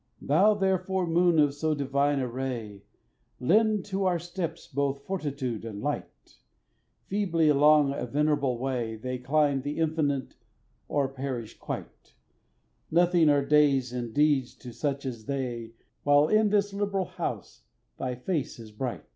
Thou therefore, moon of so divine a ray, Lend to our steps both fortitude and light! Feebly along a venerable way They climb the infinite, or perish quite; Nothing are days and deeds to such as they, While in this liberal house thy face is bright.